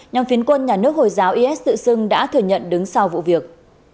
nhóm phiến quân nhà nước hồi giáo is tự xưng đã thừa nhận đứng sau vụ việc